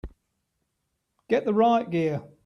Get the riot gear!